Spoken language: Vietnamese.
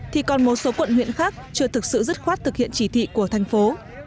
thì còn một số quận huyện khác chưa thực sự dứt khoát thực hiện chỉ thị của thành phố